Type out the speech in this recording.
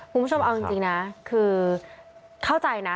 ผู้ชมเอาจริงนะ